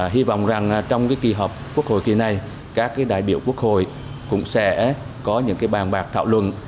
hy vọng rằng trong kỳ họp quốc hội kỳ này các đại biểu quốc hội cũng sẽ có những bàn bạc thảo luận